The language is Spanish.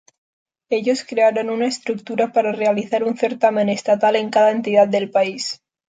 Ellos crearon una estructura para realizar un certamen Estatal en cada entidad del país.